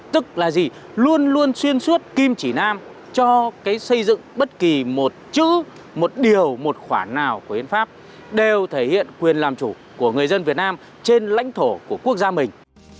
tức là gì luôn luôn xuyên suốt kim chỉ nam cho xây dựng bất kỳ một chữ một điều một khoản nào của hiến pháp đều thể hiện quyền làm chủ của người dân việt nam trên lãnh thổ của quốc gia mình